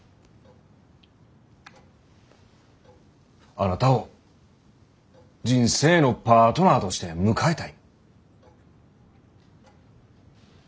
あなたを人生のパートナーとして迎えたい。